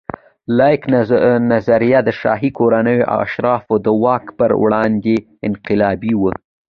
لاک نظریه د شاهي کورنیو او اشرافو د واک پر وړاندې انقلابي وه.